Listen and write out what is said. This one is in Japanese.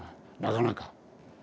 なかなか。